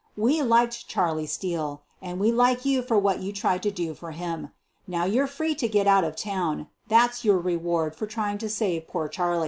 We liked Charlie Steele, and we like you for what you tried to do for him. Now you're free to get out of town — that's your reward for trying to save poor Charlie.